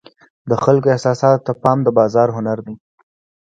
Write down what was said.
د خلکو احساساتو ته پام د بازار هنر دی.